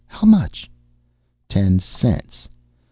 How much?" "Ten cents.